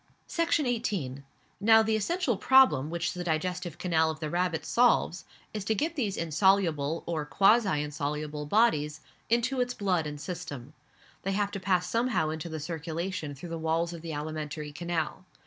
Section 18. Now the essential problem which the digestive canal of the rabbit solves is to get these insoluble, or quasi insoluble, bodies into its blood and system. They have to pass somehow into the circulation through the walls of the alimentary canal.